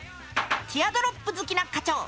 ティアドロップ好きな課長。